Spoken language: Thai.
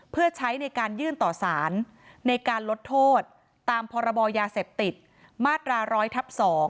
เพื่อใช้ในการยื่นต่อสารในการลดโทษตามพรบยาเสพติดมาตรา๑๐๐ทับ๒